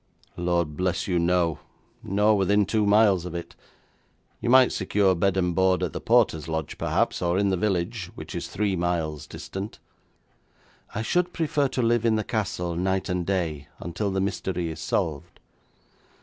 'Lord bless you, no! Nor within two miles of it. You might secure bed and board at the porter's lodge, perhaps, or in the village, which is three miles distant.' 'I should prefer to live in the castle night and day, until the mystery is solved.'